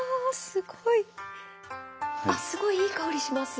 すごいいい香りします！